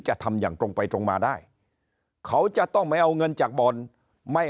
จะทำอย่างตรงไปตรงมาได้เขาจะต้องไปเอาเงินจากบ่อนไม่